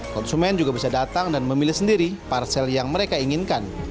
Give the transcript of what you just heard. konsumen juga bisa datang dan memilih sendiri parcel yang mereka inginkan